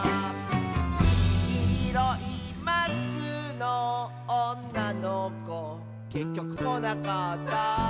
「きいろいマスクのおんなのこ」「けっきょくこなかった」